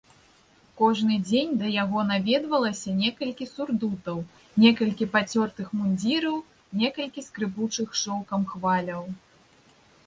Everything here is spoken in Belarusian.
Кожны дзень да яго наведвалася некалькі сурдутаў, некалькі пацёртых мундзіраў, некалькі скрыпучых шоўкам хваляў.